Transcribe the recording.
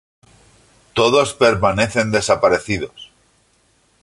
Todos permanecen desaparecidos.